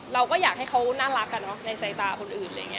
เราก็อยากให้เขาน่ารักในสายตาคนอื่น